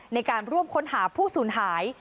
ในการร่วมค้นหาผู้สูญหาย